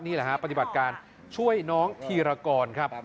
นี่แหละฮะปฏิบัติการช่วยน้องธีรกรครับ